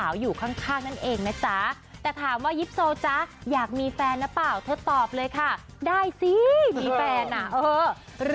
ว้าวพี่เอาต่วยแล้ว